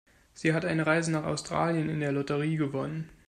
Sie hat eine Reise nach Australien in der Lotterie gewonnen.